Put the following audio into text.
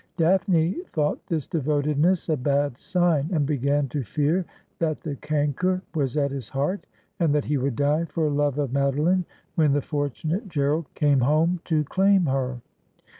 Daphne thought this devotedness a bad sign, and began to fear that the canker was at his heart, and that he would die for love of Madoline when the fortunate Gerald came home to claim her.